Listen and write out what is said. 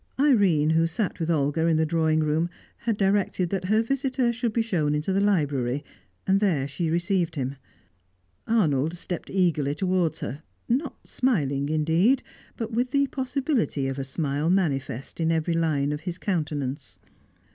Irene, who sat with Olga in the drawing room, had directed that her visitor should be shown into the library, and there she received him. Arnold stepped eagerly towards her; not smiling indeed, but with the possibility of a smile manifest in every line of his countenance.